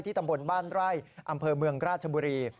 ตำบลบ้านไร่อำเภอเมืองราชบุรี